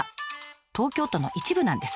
東京都の一部なんです。